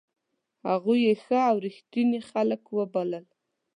هغوی یې ښه او ریښتوني خلک وبلل.